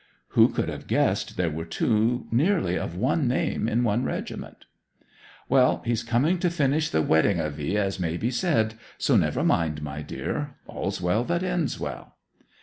Who could have guessed there were two nearly of one name in one regiment.' 'Well he's coming to finish the wedding of 'ee as may be said; so never mind, my dear. All's well that ends well.'